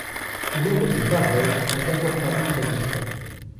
L'œuvre de Varèse a d'abord paru très abstraite.